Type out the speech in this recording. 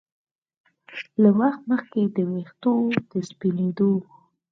له وخت مخکې د ویښتو د سپینېدو